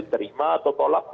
terima atau tolak